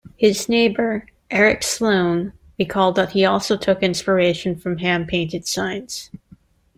His neighbour, Eric Sloane, recalled that he also took inspiration from hand-painted signs.